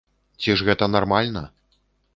Ці ж гэта нармальна?